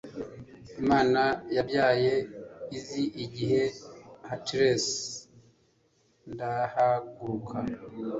Imana yabyaye izi igihe. Hatless, ndahaguruka